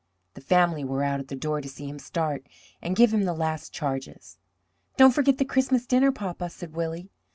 The family were out at the door to see him start, and give him the last charges. "Don't forget the Christmas dinner, papa," said Willie.